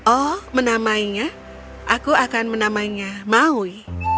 oh menamainya aku akan menamainya maui